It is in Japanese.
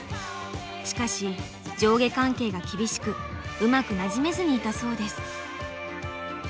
しかし上下関係が厳しくうまくなじめずにいたそうです。